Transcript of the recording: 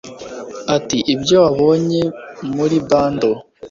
ati ibyo wabonye muri bundle